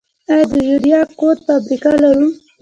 آیا د یوریا کود فابریکه لرو؟